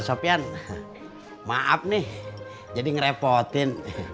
sopian maaf nih jadi ngerepotin